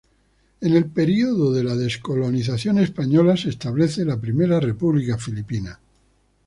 En el periodo de la descolonización española se establece la Primera República Filipina.